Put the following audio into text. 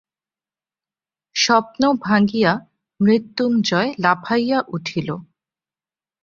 স্বপ্ন ভাঙিয়া মৃত্যুঞ্জয় লাফাইয়া উঠিল।